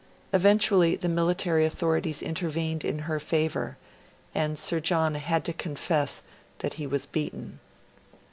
Eventually, the military authorities intervened in her favour, and Sir John had to confess that he was beaten.